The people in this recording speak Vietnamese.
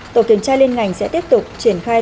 tổ kiểm tra liên ngành sẽ tiếp tục triển khai